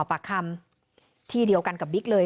คุยกับตำรวจเนี่ยคุยกับตำรวจเนี่ย